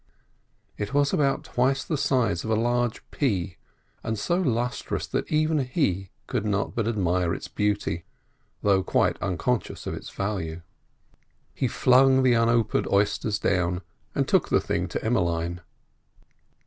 It was about twice the size of a large pea, and so lustrous that even he could not but admire its beauty, though quite unconscious of its value. He flung the unopened oysters down, and took the thing to Emmeline.